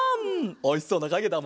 おいしそうなかげだもんなあ。